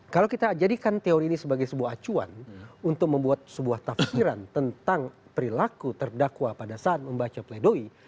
kalau kita jadikan teori ini sebagai sebuah acuan untuk membuat sebuah tafsiran tentang perilaku terdakwa pada saat membaca pledoi